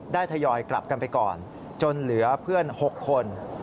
ทยอยกลับกันไปก่อนจนเหลือเพื่อน๖คน